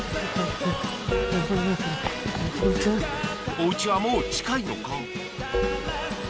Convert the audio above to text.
おウチはもう近いのか？